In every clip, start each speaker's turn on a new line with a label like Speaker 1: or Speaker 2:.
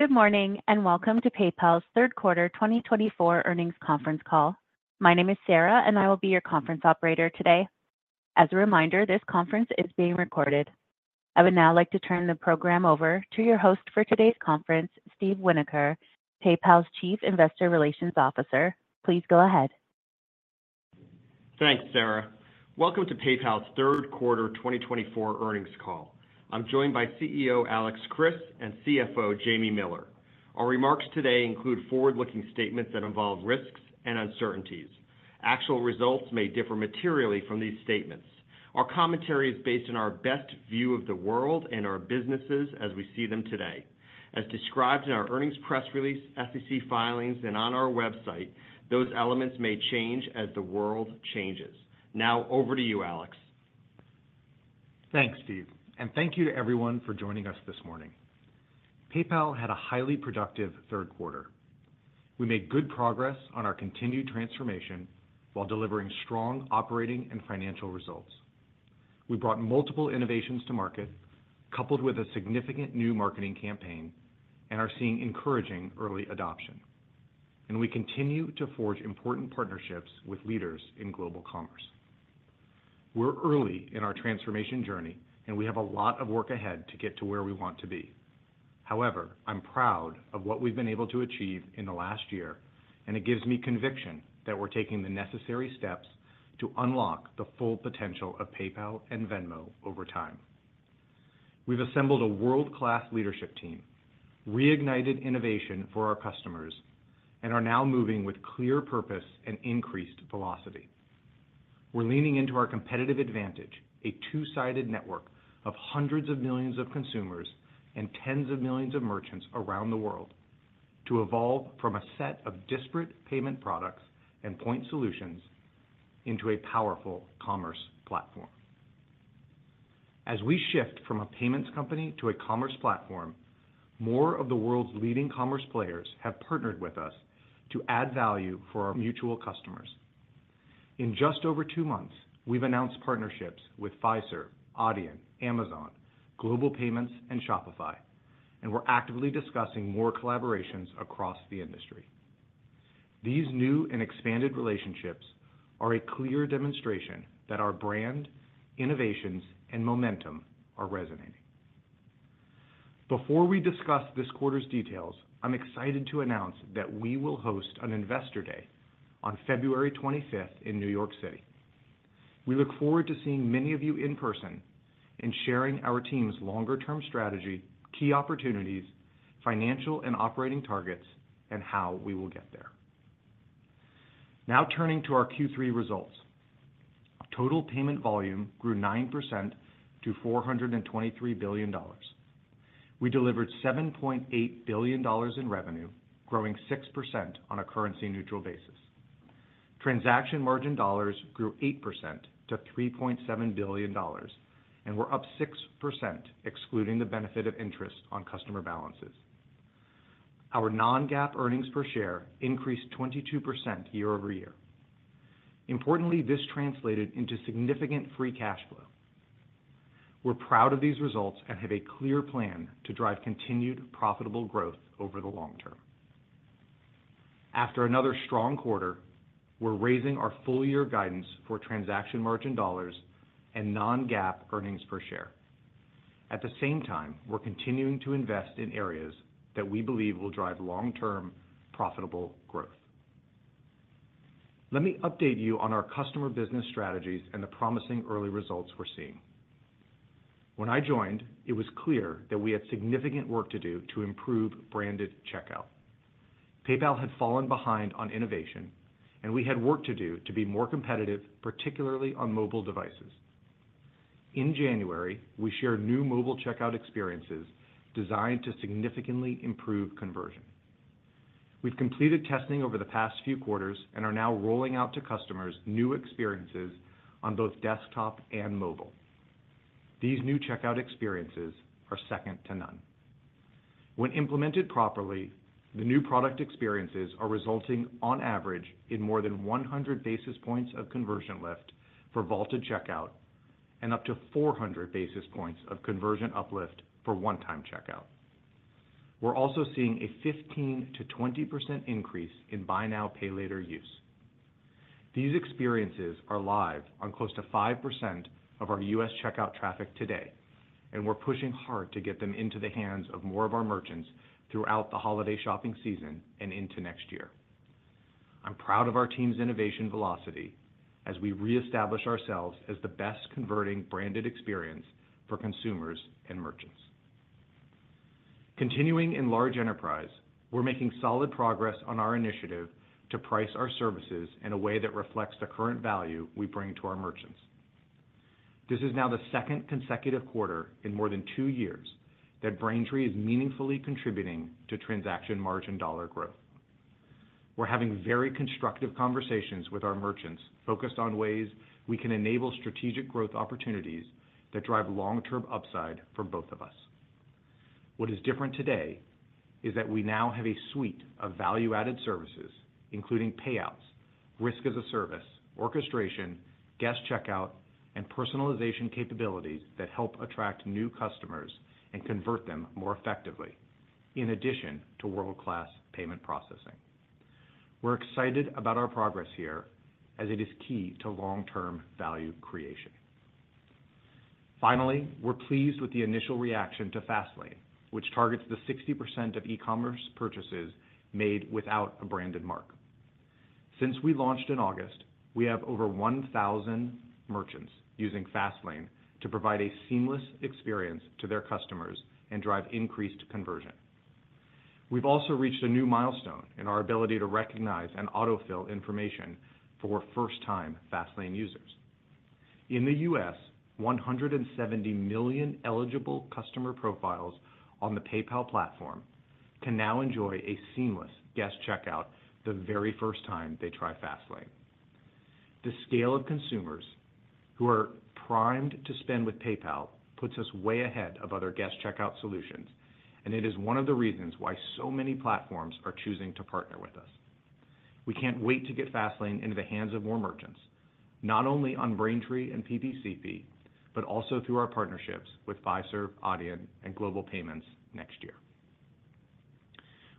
Speaker 1: Good morning and welcome to PayPal's Third Quarter 2024 Earnings Conference Call. My name is Sarah, and I will be your conference operator today. As a reminder, this conference is being recorded. I would now like to turn the program over to your host for today's conference, Steve Winoker, PayPal's Chief Investor Relations Officer. Please go ahead.
Speaker 2: Thanks, Sarah. Welcome to PayPal's third quarter 2024 earnings call. I'm joined by CEO Alex Chriss and CFO Jamie Miller. Our remarks today include forward-looking statements that involve risks and uncertainties. Actual results may differ materially from these statements. Our commentary is based on our best view of the world and our businesses as we see them today. As described in our earnings press release, SEC filings, and on our website, those elements may change as the world changes. Now, over to you, Alex.
Speaker 3: Thanks, Steve, and thank you to everyone for joining us this morning. PayPal had a highly productive third quarter. We made good progress on our continued transformation while delivering strong operating and financial results. We brought multiple innovations to market, coupled with a significant new marketing campaign, and are seeing encouraging early adoption. And we continue to forge important partnerships with leaders in global commerce. We're early in our transformation journey, and we have a lot of work ahead to get to where we want to be. However, I'm proud of what we've been able to achieve in the last year, and it gives me conviction that we're taking the necessary steps to unlock the full potential of PayPal and Venmo over time. We've assembled a world-class leadership team, reignited innovation for our customers, and are now moving with clear purpose and increased velocity. We're leaning into our competitive advantage, a two-sided network of hundreds of millions of consumers and tens of millions of merchants around the world, to evolve from a set of disparate payment products and point solutions into a powerful commerce platform. As we shift from a payments company to a commerce platform, more of the world's leading commerce players have partnered with us to add value for our mutual customers. In just over two months, we've announced partnerships with Fiserv, Adyen, Amazon, Global Payments, and Shopify, and we're actively discussing more collaborations across the industry. These new and expanded relationships are a clear demonstration that our brand, innovations, and momentum are resonating. Before we discuss this quarter's details, I'm excited to announce that we will host an Investor Day on February 25th in New York City. We look forward to seeing many of you in person and sharing our team's longer-term strategy, key opportunities, financial and operating targets, and how we will get there. Now, turning to our Q3 results, total payment volume grew 9% to $423 billion. We delivered $7.8 billion in revenue, growing 6% on a currency-neutral basis. Transaction margin dollars grew 8% to $3.7 billion and were up 6%, excluding the benefit of interest on customer balances. Our non-GAAP earnings per share increased 22% year-over-year. Importantly, this translated into significant free cash flow. We're proud of these results and have a clear plan to drive continued profitable growth over the long term. After another strong quarter, we're raising our full-year guidance for transaction margin dollars and non-GAAP earnings per share. At the same time, we're continuing to invest in areas that we believe will drive long-term profitable growth. Let me update you on our customer business strategies and the promising early results we're seeing. When I joined, it was clear that we had significant work to do to improve branded checkout. PayPal had fallen behind on innovation, and we had work to do to be more competitive, particularly on mobile devices. In January, we shared new mobile checkout experiences designed to significantly improve conversion. We've completed testing over the past few quarters and are now rolling out to customers new experiences on both desktop and mobile. These new checkout experiences are second to none. When implemented properly, the new product experiences are resulting, on average, in more than 100 basis points of conversion lift for vaulted checkout and up to 400 basis points of conversion uplift for one-time checkout. We're also seeing a 15%-20% increase in buy now, pay later use. These experiences are live on close to 5% of our U.S. checkout traffic today, and we're pushing hard to get them into the hands of more of our merchants throughout the holiday shopping season and into next year. I'm proud of our team's innovation velocity as we reestablish ourselves as the best converting branded experience for consumers and merchants. Continuing in large enterprise, we're making solid progress on our initiative to price our services in a way that reflects the current value we bring to our merchants. This is now the second consecutive quarter in more than two years that Braintree is meaningfully contributing to transaction margin dollar growth. We're having very constructive conversations with our merchants focused on ways we can enable strategic growth opportunities that drive long-term upside for both of us. What is different today is that we now have a suite of value-added services, including payouts, risk as a service, orchestration, guest checkout, and personalization capabilities that help attract new customers and convert them more effectively, in addition to world-class payment processing. We're excited about our progress here as it is key to long-term value creation. Finally, we're pleased with the initial reaction to Fastlane, which targets the 60% of e-commerce purchases made without a branded checkout. Since we launched in August, we have over 1,000 merchants using Fastlane to provide a seamless experience to their customers and drive increased conversion. We've also reached a new milestone in our ability to recognize and autofill information for first-time Fastlane users. In the U.S., 170 million eligible customer profiles on the PayPal platform can now enjoy a seamless guest checkout the very first time they try Fastlane. The scale of consumers who are primed to spend with PayPal puts us way ahead of other guest checkout solutions, and it is one of the reasons why so many platforms are choosing to partner with us. We can't wait to get Fastlane into the hands of more merchants, not only on Braintree and PPCP, but also through our partnerships with Fiserv, Adyen, and Global Payments next year.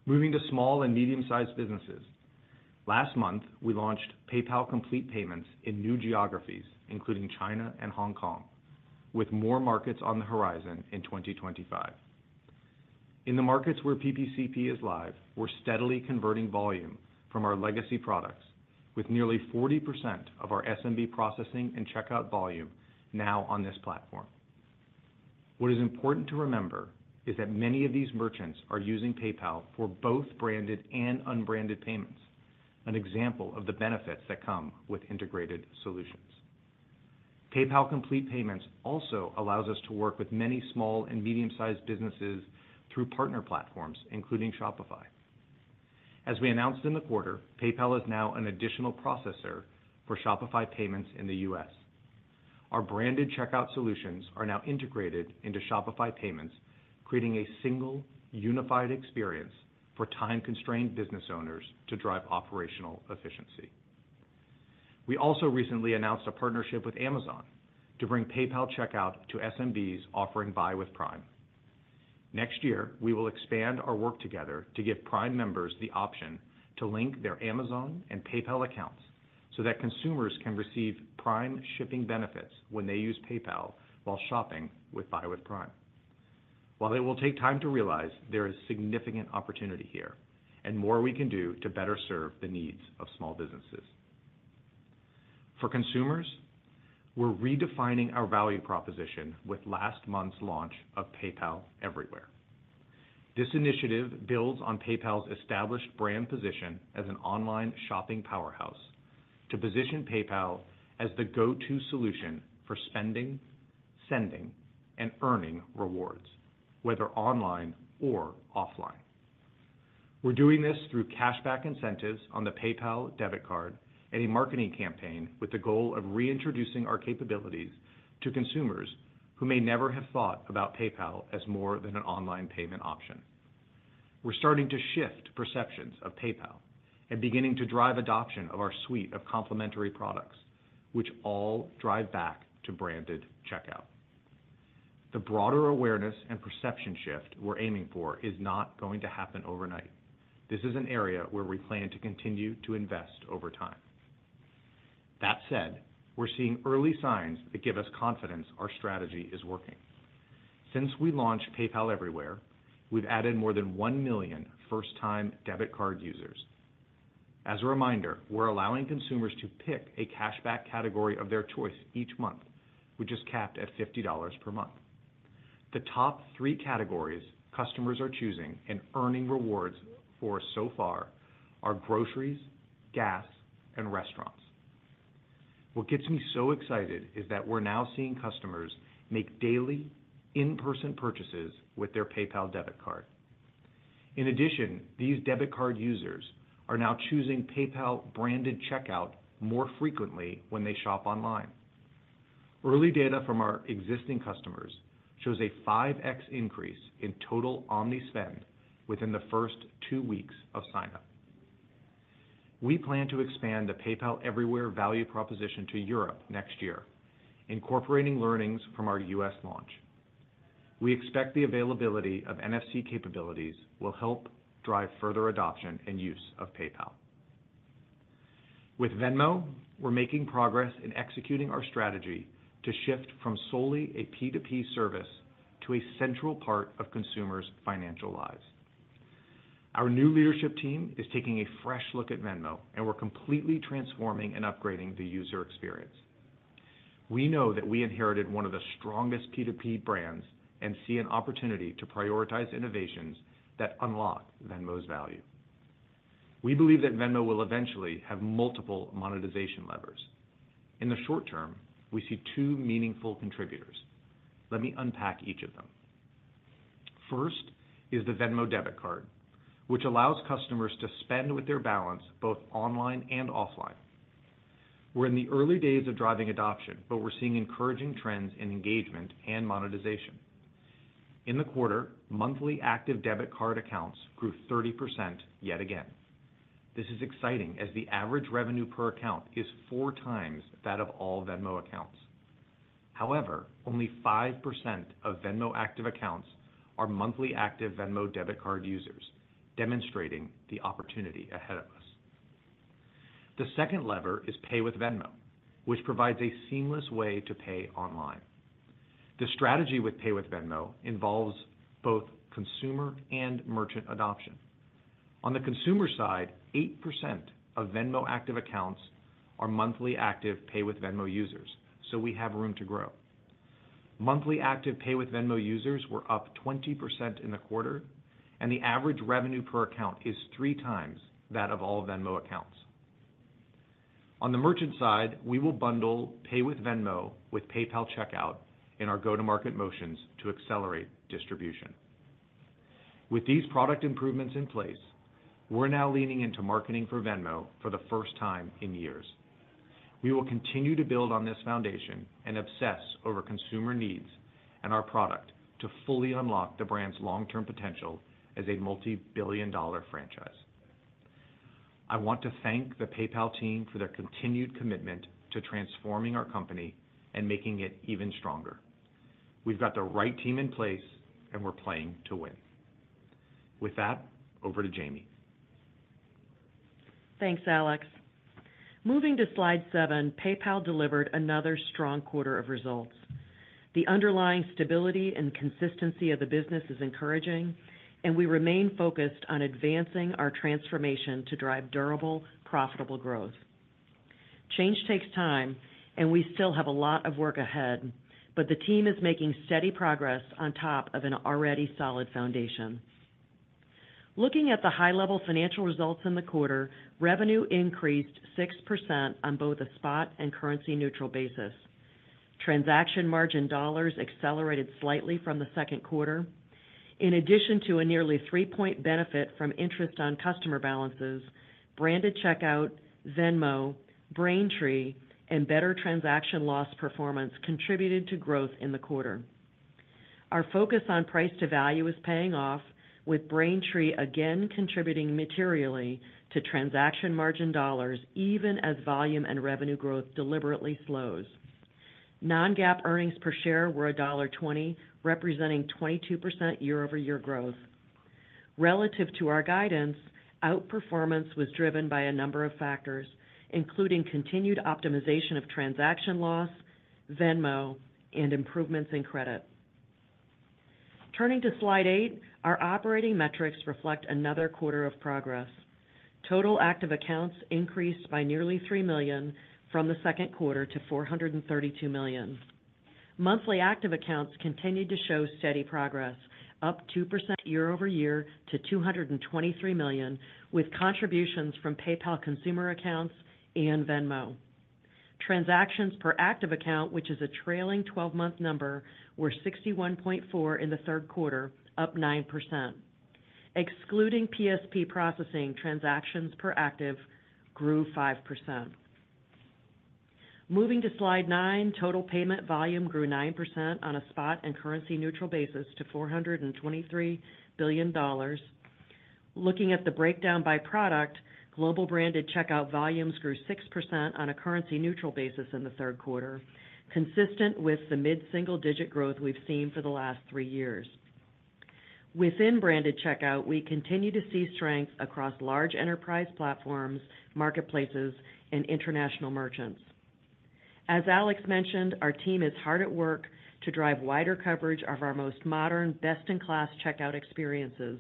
Speaker 3: Moving to small and medium-sized businesses, last month, we launched PayPal Complete Payments in new geographies, including China and Hong Kong, with more markets on the horizon in 2025. In the markets where PPCP is live, we're steadily converting volume from our legacy products, with nearly 40% of our SMB processing and checkout volume now on this platform. What is important to remember is that many of these merchants are using PayPal for both branded and unbranded payments, an example of the benefits that come with integrated solutions. PayPal Complete Payments also allows us to work with many small and medium-sized businesses through partner platforms, including Shopify. As we announced in the quarter, PayPal is now an additional processor for Shopify Payments in the U.S. Our branded checkout solutions are now integrated into Shopify Payments, creating a single, unified experience for time-constrained business owners to drive operational efficiency. We also recently announced a partnership with Amazon to bring PayPal checkout to SMBs offering Buy with Prime. Next year, we will expand our work together to give Prime members the option to link their Amazon and PayPal accounts so that consumers can receive Prime shipping benefits when they use PayPal while shopping with Buy with Prime. While it will take time to realize, there is significant opportunity here, and more we can do to better serve the needs of small businesses. For consumers, we're redefining our value proposition with last month's launch of PayPal Everywhere. This initiative builds on PayPal's established brand position as an online shopping powerhouse to position PayPal as the go-to solution for spending, sending, and earning rewards, whether online or offline. We're doing this through cashback incentives on the PayPal Debit Card and a marketing campaign with the goal of reintroducing our capabilities to consumers who may never have thought about PayPal as more than an online payment option. We're starting to shift perceptions of PayPal and beginning to drive adoption of our suite of complementary products, which all drive back to branded checkout. The broader awareness and perception shift we're aiming for is not going to happen overnight. This is an area where we plan to continue to invest over time. That said, we're seeing early signs that give us confidence our strategy is working. Since we launched PayPal Everywhere, we've added more than 1 million first-time debit card users. As a reminder, we're allowing consumers to pick a cashback category of their choice each month, which is capped at $50 per month. The top three categories customers are choosing and earning rewards for so far are groceries, gas, and restaurants. What gets me so excited is that we're now seeing customers make daily, in-person purchases with their PayPal Debit Card. In addition, these debit card users are now choosing PayPal branded checkout more frequently when they shop online. Early data from our existing customers shows a 5x increase in total omni-spend within the first two weeks of signup. We plan to expand the PayPal Everywhere value proposition to Europe next year, incorporating learnings from our U.S. launch. We expect the availability of NFC capabilities will help drive further adoption and use of PayPal. With Venmo, we're making progress in executing our strategy to shift from solely a P2P service to a central part of consumers' financial lives. Our new leadership team is taking a fresh look at Venmo, and we're completely transforming and upgrading the user experience. We know that we inherited one of the strongest P2P brands and see an opportunity to prioritize innovations that unlock Venmo's value. We believe that Venmo will eventually have multiple monetization levers. In the short term, we see two meaningful contributors. Let me unpack each of them. First is the Venmo Debit Card, which allows customers to spend with their balance both online and offline. We're in the early days of driving adoption, but we're seeing encouraging trends in engagement and monetization. In the quarter, monthly active debit card accounts grew 30% yet again. This is exciting as the average revenue per account is four times that of all Venmo accounts. However, only 5% of Venmo active accounts are monthly active Venmo Debit Card users, demonstrating the opportunity ahead of us. The second lever is Pay with Venmo, which provides a seamless way to pay online. The strategy with Pay with Venmo involves both consumer and merchant adoption. On the consumer side, 8% of Venmo active accounts are monthly active Pay with Venmo users, so we have room to grow. Monthly active Pay with Venmo users were up 20% in the quarter, and the average revenue per account is three times that of all Venmo accounts. On the merchant side, we will bundle Pay with Venmo with PayPal checkout in our go-to-market motions to accelerate distribution. With these product improvements in place, we're now leaning into marketing for Venmo for the first time in years. We will continue to build on this foundation and obsess over consumer needs and our product to fully unlock the brand's long-term potential as a multi-billion dollar franchise. I want to thank the PayPal team for their continued commitment to transforming our company and making it even stronger. We've got the right team in place, and we're playing to win. With that, over to Jamie.
Speaker 4: Thanks, Alex. Moving to slide seven, PayPal delivered another strong quarter of results. The underlying stability and consistency of the business is encouraging, and we remain focused on advancing our transformation to drive durable, profitable growth. Change takes time, and we still have a lot of work ahead, but the team is making steady progress on top of an already solid foundation. Looking at the high-level financial results in the quarter, revenue increased 6% on both a spot and currency-neutral basis. Transaction margin dollars accelerated slightly from the second quarter. In addition to a nearly three-point benefit from interest on customer balances, branded checkout, Venmo, Braintree, and better transaction loss performance contributed to growth in the quarter. Our focus on price to value is paying off, with Braintree again contributing materially to transaction margin dollars even as volume and revenue growth deliberately slows. Non-GAAP earnings per share were $1.20, representing 22% year-over-year growth. Relative to our guidance, outperformance was driven by a number of factors, including continued optimization of transaction loss, Venmo, and improvements in credit. Turning to slide eight, our operating metrics reflect another quarter of progress. Total active accounts increased by nearly 3 million from the second quarter to 432 million. Monthly active accounts continued to show steady progress, up 2% year-over-year to 223 million, with contributions from PayPal consumer accounts and Venmo. Transactions per active account, which is a trailing 12-month number, were 61.4 in the third quarter, up 9%. Excluding PSP processing, transactions per active grew 5%. Moving to slide nine, total payment volume grew 9% on a spot and currency-neutral basis to $423 billion. Looking at the breakdown by product, global branded checkout volumes grew 6% on a currency-neutral basis in the third quarter, consistent with the mid-single-digit growth we've seen for the last three years. Within branded checkout, we continue to see strength across large enterprise platforms, marketplaces, and international merchants. As Alex mentioned, our team is hard at work to drive wider coverage of our most modern, best-in-class checkout experiences.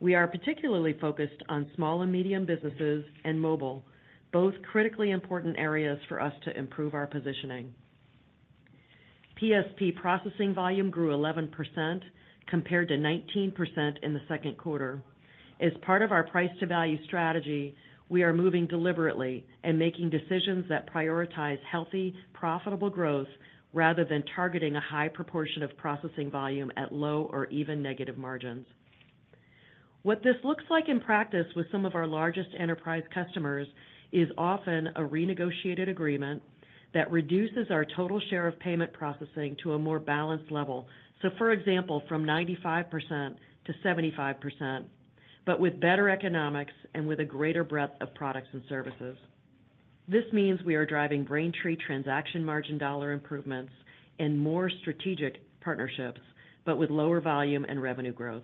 Speaker 4: We are particularly focused on small and medium businesses and mobile, both critically important areas for us to improve our positioning. PSP processing volume grew 11% compared to 19% in the second quarter. As part of our price-to-value strategy, we are moving deliberately and making decisions that prioritize healthy, profitable growth rather than targeting a high proportion of processing volume at low or even negative margins. What this looks like in practice with some of our largest enterprise customers is often a renegotiated agreement that reduces our total share of payment processing to a more balanced level, so for example, from 95%-75%, but with better economics and with a greater breadth of products and services. This means we are driving Braintree transaction margin dollar improvements and more strategic partnerships, but with lower volume and revenue growth.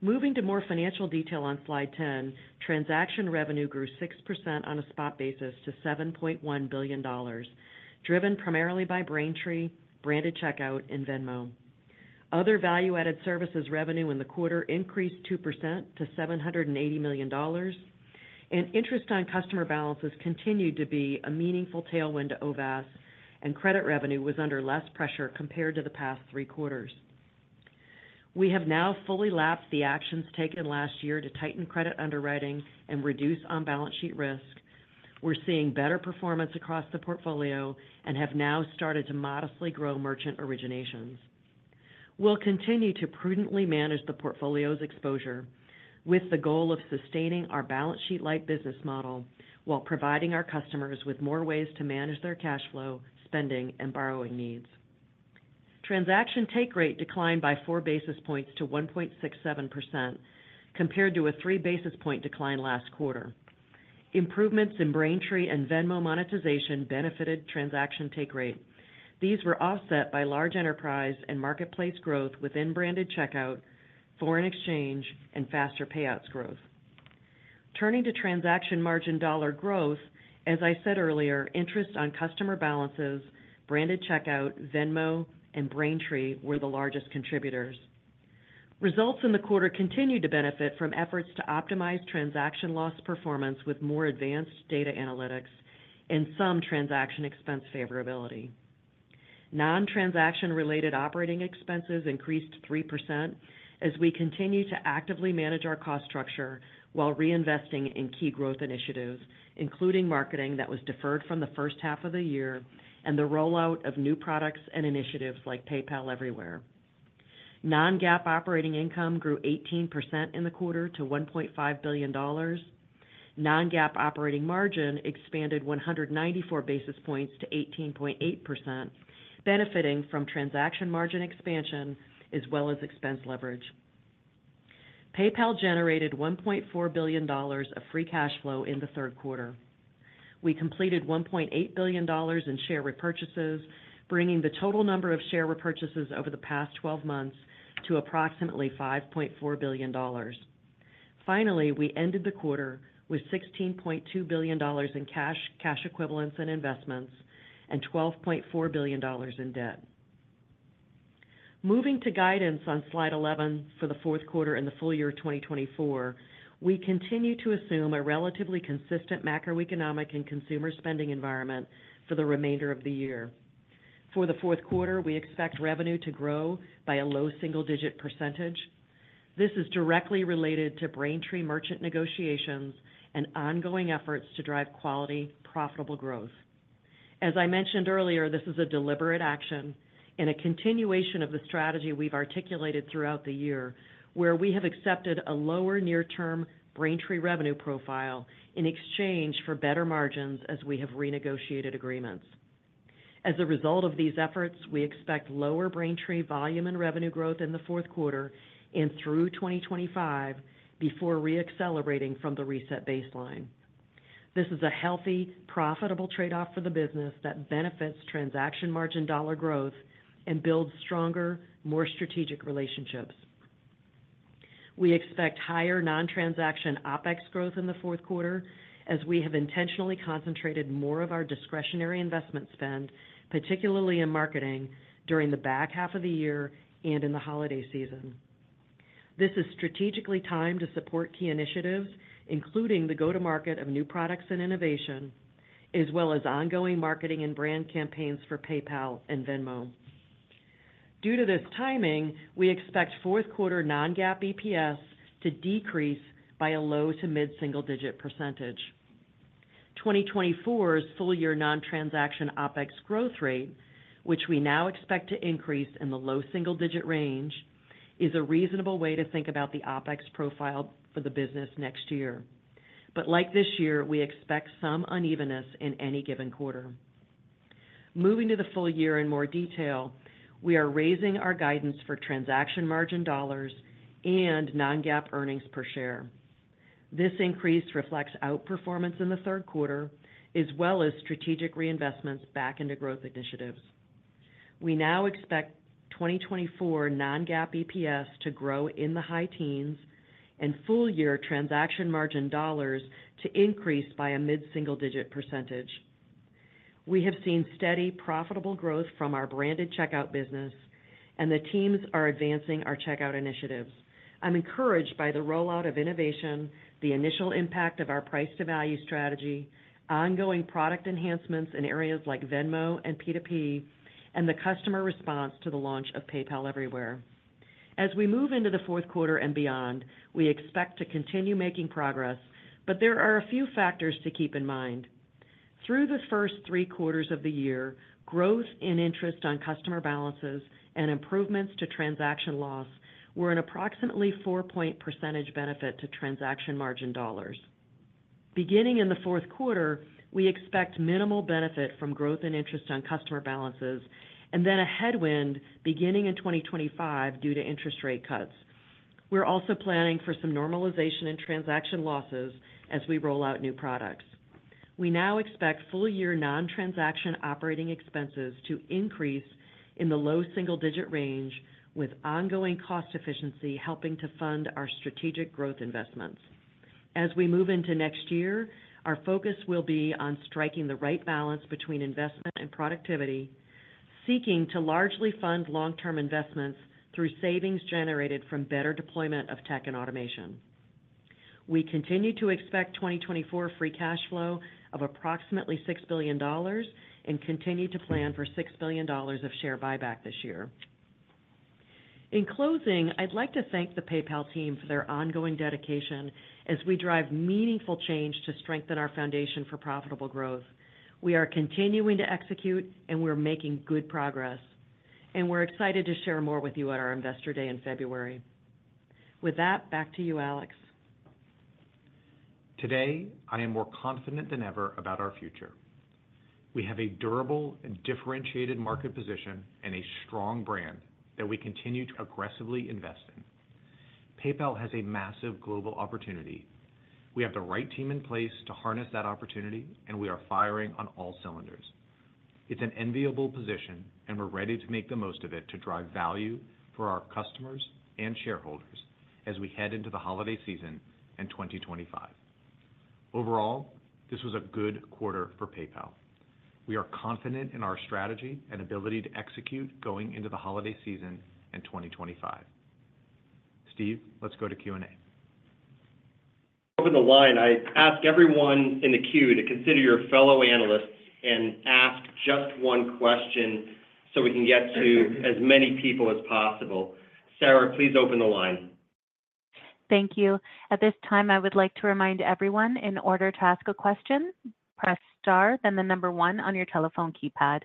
Speaker 4: Moving to more financial detail on slide 10, transaction revenue grew 6% on a spot basis to $7.1 billion, driven primarily by Braintree, branded checkout, and Venmo. Other value-added services revenue in the quarter increased 2% to $780 million, and interest on customer balances continued to be a meaningful tailwind to OVAS, and credit revenue was under less pressure compared to the past three quarters. We have now fully lapped the actions taken last year to tighten credit underwriting and reduce on-balance sheet risk. We're seeing better performance across the portfolio and have now started to modestly grow merchant originations. We'll continue to prudently manage the portfolio's exposure with the goal of sustaining our balance sheet-like business model while providing our customers with more ways to manage their cash flow, spending, and borrowing needs. Transaction take rate declined by four basis points to 1.67% compared to a three-basis-point decline last quarter. Improvements in Braintree and Venmo monetization benefited transaction take rate. These were offset by large enterprise and marketplace growth within branded checkout, foreign exchange, and faster payouts growth. Turning to transaction margin dollar growth, as I said earlier, interest on customer balances, branded checkout, Venmo, and Braintree were the largest contributors. Results in the quarter continued to benefit from efforts to optimize transaction loss performance with more advanced data analytics and some transaction expense favorability. Non-transaction-related operating expenses increased 3% as we continue to actively manage our cost structure while reinvesting in key growth initiatives, including marketing that was deferred from the first half of the year and the rollout of new products and initiatives like PayPal Everywhere. Non-GAAP operating income grew 18% in the quarter to $1.5 billion. Non-GAAP operating margin expanded 194 basis points to 18.8%, benefiting from transaction margin expansion as well as expense leverage. PayPal generated $1.4 billion of free cash flow in the third quarter. We completed $1.8 billion in share repurchases, bringing the total number of share repurchases over the past 12 months to approximately $5.4 billion. Finally, we ended the quarter with $16.2 billion in cash equivalents and investments and $12.4 billion in debt. Moving to guidance on slide 11 for the fourth quarter in the full year 2024, we continue to assume a relatively consistent macroeconomic and consumer spending environment for the remainder of the year. For the fourth quarter, we expect revenue to grow by a low single-digit %. This is directly related to Braintree merchant negotiations and ongoing efforts to drive quality, profitable growth. As I mentioned earlier, this is a deliberate action and a continuation of the strategy we've articulated throughout the year, where we have accepted a lower near-term Braintree revenue profile in exchange for better margins as we have renegotiated agreements. As a result of these efforts, we expect lower Braintree volume and revenue growth in the fourth quarter and through 2025 before re-accelerating from the reset baseline. This is a healthy, profitable trade-off for the business that benefits transaction margin dollar growth and builds stronger, more strategic relationships. We expect higher non-transaction OpEx growth in the fourth quarter as we have intentionally concentrated more of our discretionary investment spend, particularly in marketing, during the back half of the year and in the holiday season. This is strategically timed to support key initiatives, including the go-to-market of new products and innovation, as well as ongoing marketing and brand campaigns for PayPal and Venmo. Due to this timing, we expect fourth quarter non-GAAP EPS to decrease by a low-to-mid-single-digit %. 2024's full-year non-transaction OpEx growth rate, which we now expect to increase in the low single-digit range, is a reasonable way to think about the OpEx profile for the business next year. But like this year, we expect some unevenness in any given quarter. Moving to the full year in more detail, we are raising our guidance for transaction margin dollars and non-GAAP earnings per share. This increase reflects outperformance in the third quarter, as well as strategic reinvestments back into growth initiatives. We now expect 2024 non-GAAP EPS to grow in the high teens and full-year transaction margin dollars to increase by a mid-single-digit %. We have seen steady, profitable growth from our branded checkout business, and the teams are advancing our checkout initiatives. I'm encouraged by the rollout of innovation, the initial impact of our price-to-value strategy, ongoing product enhancements in areas like Venmo and P2P, and the customer response to the launch of PayPal Everywhere. As we move into the fourth quarter and beyond, we expect to continue making progress, but there are a few factors to keep in mind. Through the first three quarters of the year, growth in interest on customer balances and improvements to transaction loss were an approximately 4 percentage point benefit to transaction margin dollars. Beginning in the fourth quarter, we expect minimal benefit from growth in interest on customer balances and then a headwind beginning in 2025 due to interest rate cuts. We're also planning for some normalization in transaction losses as we roll out new products. We now expect full-year non-transaction operating expenses to increase in the low single-digit range, with ongoing cost efficiency helping to fund our strategic growth investments. As we move into next year, our focus will be on striking the right balance between investment and productivity, seeking to largely fund long-term investments through savings generated from better deployment of tech and automation. We continue to expect 2024 free cash flow of approximately $6 billion and continue to plan for $6 billion of share buyback this year. In closing, I'd like to thank the PayPal team for their ongoing dedication as we drive meaningful change to strengthen our foundation for profitable growth. We are continuing to execute, and we're making good progress. And we're excited to share more with you at our Investor Day in February. With that, back to you, Alex.
Speaker 3: Today, I am more confident than ever about our future. We have a durable and differentiated market position and a strong brand that we continue to aggressively invest in. PayPal has a massive global opportunity. We have the right team in place to harness that opportunity, and we are firing on all cylinders. It's an enviable position, and we're ready to make the most of it to drive value for our customers and shareholders as we head into the holiday season in 2025. Overall, this was a good quarter for PayPal. We are confident in our strategy and ability to execute going into the holiday season in 2025. Steve, let's go to Q&A.
Speaker 2: Open the line. I ask everyone in the queue to consider your fellow analysts and ask just one question so we can get to as many people as possible. Sarah, please open the line.
Speaker 1: Thank you. At this time, I would like to remind everyone in order to ask a question, press Star, then the number one on your telephone keypad.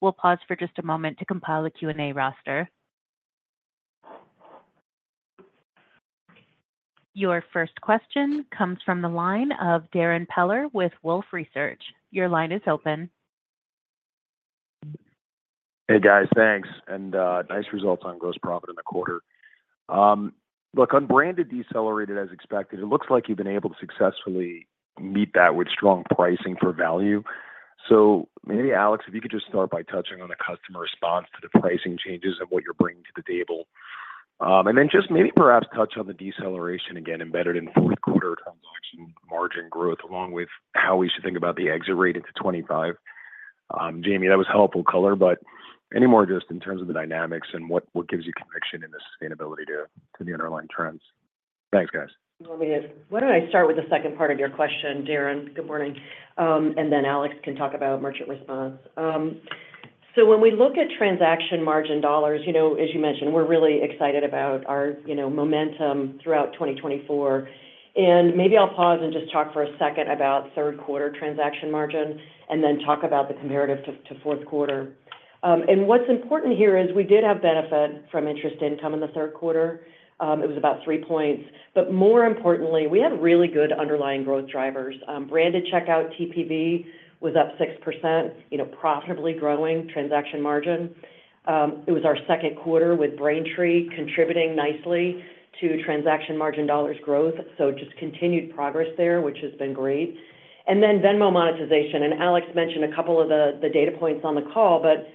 Speaker 1: We'll pause for just a moment to compile a Q&A roster. Your first question comes from the line of Darrin Peller with Wolfe Research. Your line is open.
Speaker 3: Hey, guys. Thanks and nice results on gross profit in the quarter. Look, on branded decelerated as expected. It looks like you've been able to successfully meet that with strong pricing for value. So maybe, Alex, if you could just start by touching on the customer response to the pricing changes and what you're bringing to the table. And then just maybe perhaps touch on the deceleration again embedded in fourth quarter transaction margin growth, along with how we should think about the exit rate into 2025. Jamie, that was helpful color, but any more just in terms of the dynamics and what gives you conviction in the sustainability to the underlying trends. Thanks, guys.
Speaker 4: Why don't I start with the second part of your question, Darrin? Good morning, and then Alex can talk about merchant response. So when we look at transaction margin dollars, as you mentioned, we're really excited about our momentum throughout 2024. And maybe I'll pause and just talk for a second about third quarter transaction margin and then talk about the comparative to fourth quarter. And what's important here is we did have benefit from interest income in the third quarter. It was about three points. But more importantly, we have really good underlying growth drivers. Branded checkout TPV was up 6%, profitably growing transaction margin. It was our second quarter with Braintree contributing nicely to transaction margin dollars growth. So just continued progress there, which has been great. And then Venmo monetization. And Alex mentioned a couple of the data points on the call, but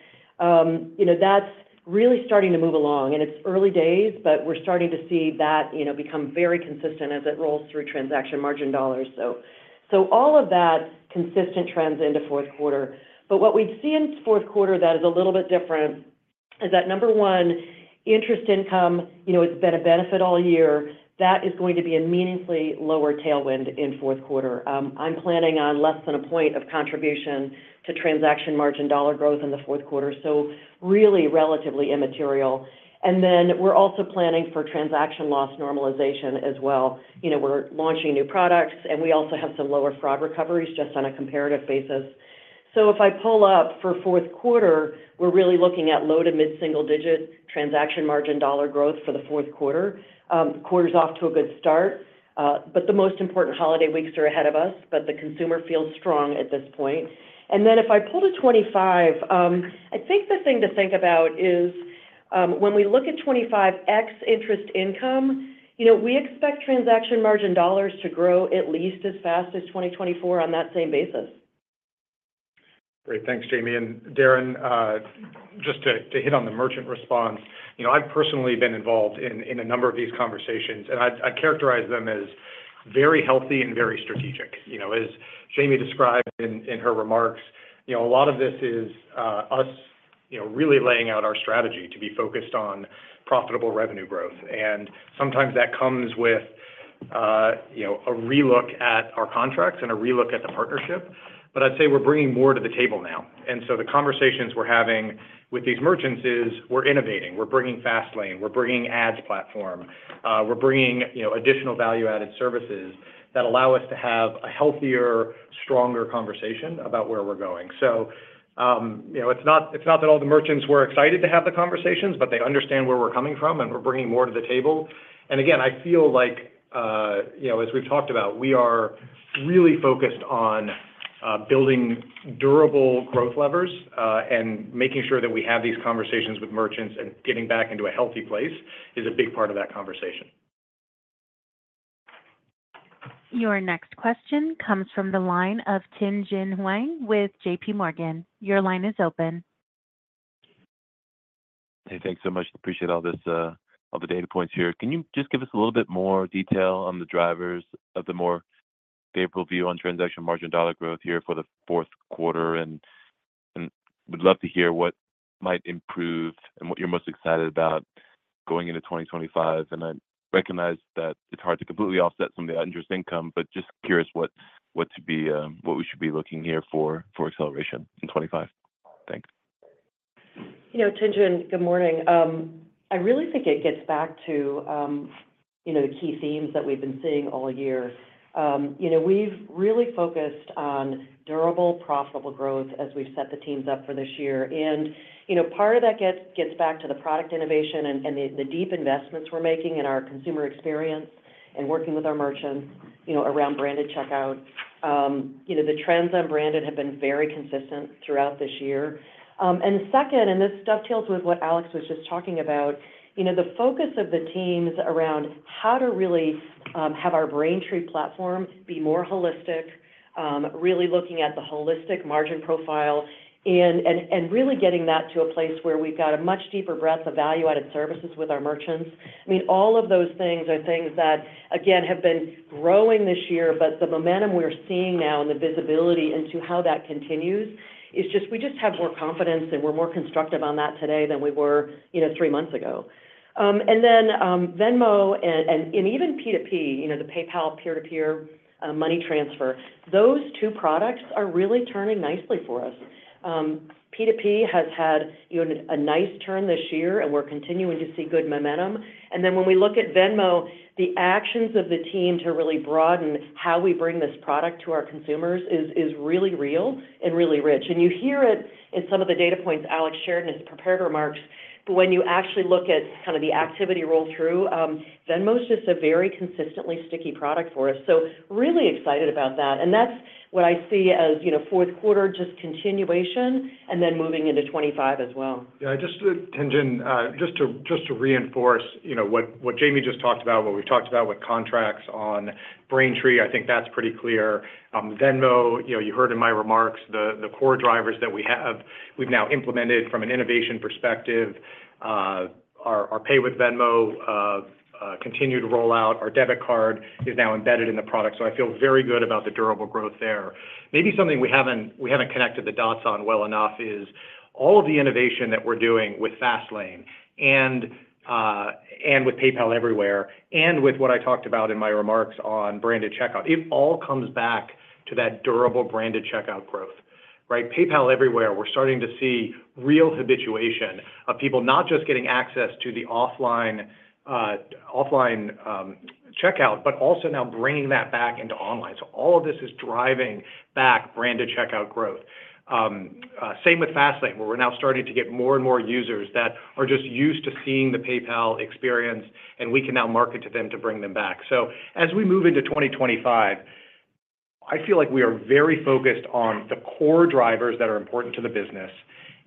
Speaker 4: that's really starting to move along. And it's early days, but we're starting to see that become very consistent as it rolls through transaction margin dollars. So all of that consistent trends into fourth quarter. But what we'd see in fourth quarter that is a little bit different is that number one, interest income, it's been a benefit all year. That is going to be a meaningfully lower tailwind in fourth quarter. I'm planning on less than a point of contribution to transaction margin dollar growth in the fourth quarter. So really relatively immaterial. And then we're also planning for transaction loss normalization as well. We're launching new products, and we also have some lower fraud recoveries just on a comparative basis. So if I pull up for fourth quarter, we're really looking at low to mid-single digit transaction margin dollar growth for the fourth quarter. Quarter's off to a good start. But the most important holiday weeks are ahead of us, but the consumer feels strong at this point. And then if I pull to 2025, I think the thing to think about is when we look at 2025 ex interest income, we expect transaction margin dollars to grow at least as fast as 2024 on that same basis.
Speaker 3: Great. Thanks, Jamie. And Darrin, just to hit on the merchant response, I've personally been involved in a number of these conversations, and I'd characterize them as very healthy and very strategic. As Jamie described in her remarks, a lot of this is us really laying out our strategy to be focused on profitable revenue growth. And sometimes that comes with a relook at our contracts and a relook at the partnership. But I'd say we're bringing more to the table now. And so the conversations we're having with these merchants is we're innovating. We're bringing Fastlane. We're bringing Ads Platform. We're bringing additional value-added services that allow us to have a healthier, stronger conversation about where we're going. So it's not that all the merchants were excited to have the conversations, but they understand where we're coming from, and we're bringing more to the table. And again, I feel like as we've talked about, we are really focused on building durable growth levers and making sure that we have these conversations with merchants and getting back into a healthy place is a big part of that conversation.
Speaker 1: Your next question comes from the line of Tien-Tsin Huang with J.P. Morgan. Your line is open.
Speaker 5: Hey, thanks so much. Appreciate all the data points here. Can you just give us a little bit more detail on the drivers of the more favorable view on transaction margin dollar growth here for the fourth quarter? We'd love to hear what might improve and what you're most excited about going into 2025. I recognize that it's hard to completely offset some of the interest income, but just curious what we should be looking here for acceleration in 2025. Thanks.
Speaker 4: Tien-Tsin Huang, good morning. I really think it gets back to the key themes that we've been seeing all year. We've really focused on durable, profitable growth as we've set the teams up for this year. Part of that gets back to the product innovation and the deep investments we're making in our consumer experience and working with our merchants around branded checkout. The trends on branded have been very consistent throughout this year. Second, and this dovetails with what Alex was just talking about, the focus of the teams around how to really have our Braintree platform be more holistic, really looking at the holistic margin profile, and really getting that to a place where we've got a much deeper breadth of value-added services with our merchants. I mean, all of those things are things that, again, have been growing this year, but the momentum we're seeing now and the visibility into how that continues is just we just have more confidence, and we're more constructive on that today than we were three months ago. Then Venmo and even P2P, the PayPal peer-to-peer money transfer, those two products are really turning nicely for us. P2P has had a nice turn this year, and we're continuing to see good momentum. And then when we look at Venmo, the actions of the team to really broaden how we bring this product to our consumers is really real and really rich. And you hear it in some of the data points Alex shared in his prepared remarks. But when you actually look at kind of the activity roll-through, Venmo's just a very consistently sticky product for us. So really excited about that. And that's what I see as fourth quarter just continuation and then moving into 2025 as well.
Speaker 3: Yeah. Just to reinforce what Jamie just talked about, what we've talked about with traction on Braintree, I think that's pretty clear. Venmo, you heard in my remarks, the core drivers that we've now implemented from an innovation perspective are pay with Venmo, continued rollout. Our debit card is now embedded in the product. So I feel very good about the durable growth there. Maybe something we haven't connected the dots on well enough is all of the innovation that we're doing with Fastlane and with PayPal Everywhere and with what I talked about in my remarks on branded checkout. It all comes back to that durable branded checkout growth, right? PayPal Everywhere, we're starting to see real habituation of people not just getting access to the offline checkout, but also now bringing that back into online. So all of this is driving back branded checkout growth. Same with Fastlane, where we're now starting to get more and more users that are just used to seeing the PayPal experience, and we can now market to them to bring them back. As we move into 2025, I feel like we are very focused on the core drivers that are important to the business,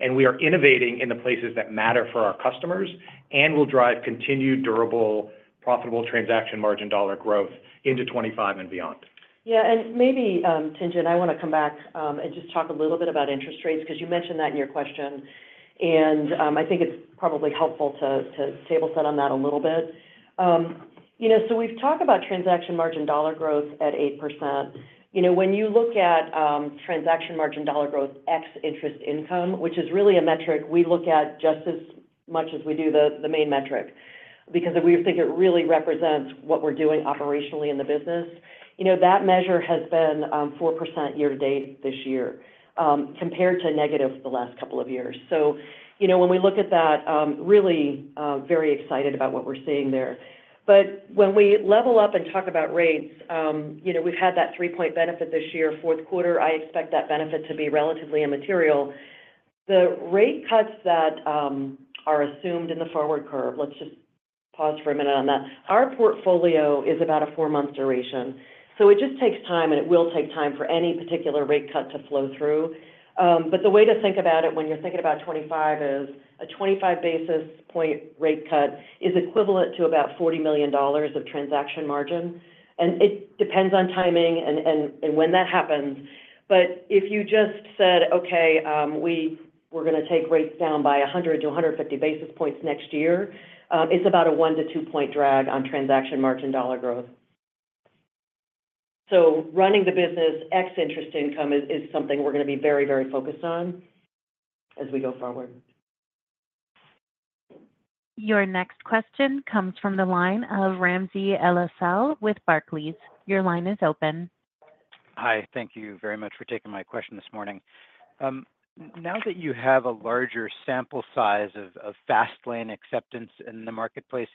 Speaker 3: and we are innovating in the places that matter for our customers and will drive continued durable, profitable transaction margin dollar growth into 2025 and beyond.
Speaker 4: Yeah, and maybe, Tien-Tsin Huang, I want to come back and just talk a little bit about interest rates because you mentioned that in your question. I think it's probably helpful to table set on that a little bit. We've talked about transaction margin dollar growth at 8%. When you look at transaction margin dollar growth x interest income, which is really a metric we look at just as much as we do the main metric because we think it really represents what we're doing operationally in the business, that measure has been 4% year-to-date this year compared to negative the last couple of years. So when we look at that, really very excited about what we're seeing there. But when we level up and talk about rates, we've had that three-point benefit this year, fourth quarter. I expect that benefit to be relatively immaterial. The rate cuts that are assumed in the forward curve, let's just pause for a minute on that. Our portfolio is about a four-month duration. So it just takes time, and it will take time for any particular rate cut to flow through. But the way to think about it when you're thinking about 2025 is a 25 basis points rate cut is equivalent to about $40 million of transaction margin. And it depends on timing and when that happens. But if you just said, "Okay, we're going to take rates down by 100-150 basis points next year," it's about a one- to two-point drag on transaction margin dollar growth. So running the business ex interest income is something we're going to be very, very focused on as we go forward.
Speaker 1: Your next question comes from the line of Ramsey El-Assal with Barclays. Your line is open.
Speaker 6: Hi. Thank you very much for taking my question this morning. Now that you have a larger sample size of Fastlane acceptance in the marketplace,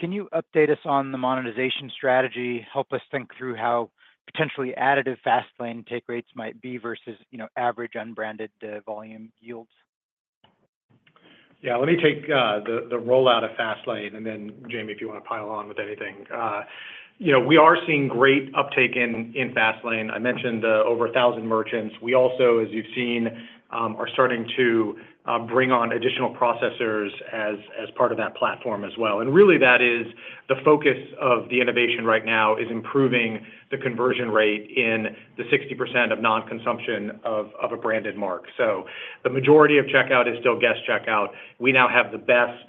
Speaker 6: can you update us on the monetization strategy, help us think through how potentially additive Fastlane take rates might be versus average unbranded volume yields?
Speaker 3: Yeah. Let me take the rollout of Fastlane, and then Jamie, if you want to pile on with anything. We are seeing great uptake in Fastlane. I mentioned over 1,000 merchants. We also, as you've seen, are starting to bring on additional processors as part of that platform as well. And really, that is the focus of the innovation right now is improving the conversion rate in the 60% of non-consumption of a branded mark. So the majority of checkout is still guest checkout. We now have the best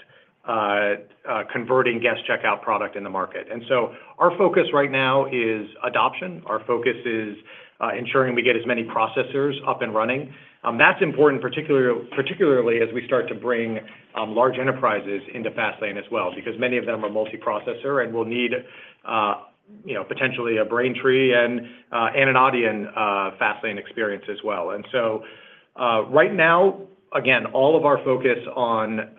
Speaker 3: converting guest checkout product in the market. And so our focus right now is adoption. Our focus is ensuring we get as many processors up and running. That's important, particularly as we start to bring large enterprises into Fastlane as well because many of them are multi-processor, and we'll need potentially a Braintree and an Adyen Fastlane experience as well. And so right now, again, all of our focus on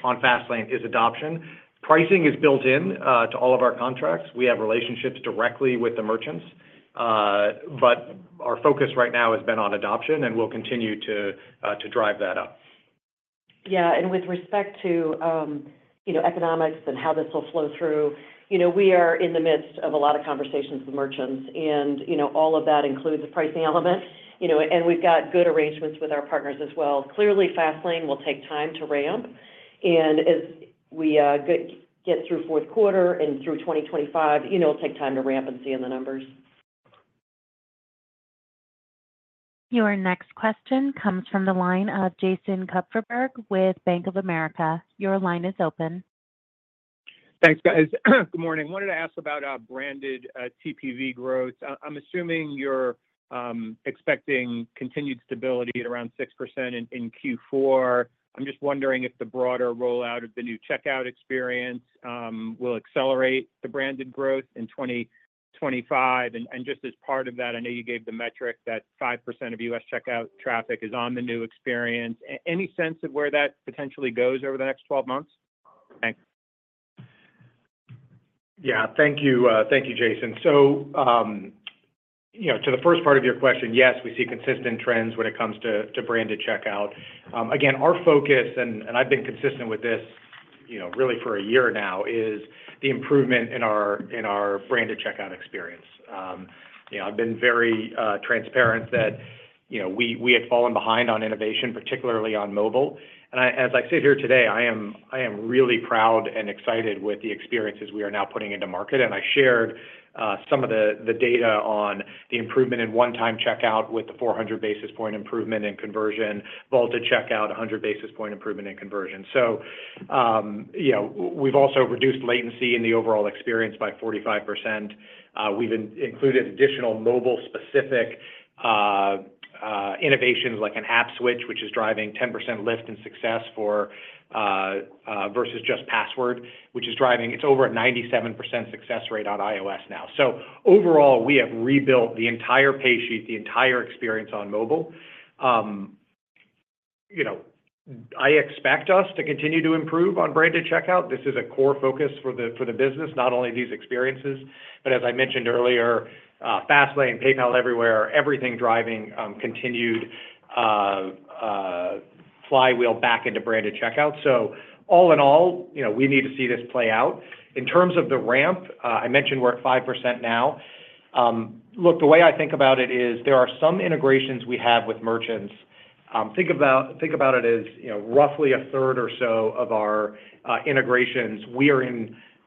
Speaker 3: Fastlane is adoption. Pricing is built into all of our contracts. We have relationships directly with the merchants, but our focus right now has been on adoption, and we'll continue to drive that up.
Speaker 4: Yeah. And with respect to economics and how this will flow through, we are in the midst of a lot of conversations with merchants, and all of that includes the pricing element. And we've got good arrangements with our partners as well. Clearly, Fastlane will take time to ramp. As we get through fourth quarter and through 2025, it will take time to ramp and see in the numbers.
Speaker 1: Your next question comes from the line of Jason Kupferberg with Bank of America. Your line is open.
Speaker 7: Thanks, guys. Good morning. Wanted to ask about branded TPV growth. I am assuming you are expecting continued stability at around 6% in Q4. I am just wondering if the broader rollout of the new checkout experience will accelerate the branded growth in 2025. And just as part of that, I know you gave the metric that 5% of U.S. checkout traffic is on the new experience. Any sense of where that potentially goes over the next 12 months?
Speaker 3: Thanks. Yeah. Thank you, Jason. So to the first part of your question, yes, we see consistent trends when it comes to branded checkout. Again, our focus, and I've been consistent with this really for a year now, is the improvement in our branded checkout experience. I've been very transparent that we had fallen behind on innovation, particularly on mobile. And as I sit here today, I am really proud and excited with the experiences we are now putting into market. And I shared some of the data on the improvement in one-time checkout with the 400 basis point improvement in conversion, vaulted checkout, 100 basis point improvement in conversion. So we've also reduced latency in the overall experience by 45%. We've included additional mobile-specific innovations like an app switch, which is driving 10% lift in success versus just password, which is driving its over a 97% success rate on iOS now. So overall, we have rebuilt the entire pay sheet, the entire experience on mobile. I expect us to continue to improve on branded checkout. This is a core focus for the business, not only these experiences, but as I mentioned earlier, Fastlane, PayPal Everywhere, everything driving continued flywheel back into branded checkout, so all in all, we need to see this play out. In terms of the ramp, I mentioned we're at 5% now. Look, the way I think about it is there are some integrations we have with merchants. Think about it as roughly a third or so of our integrations, we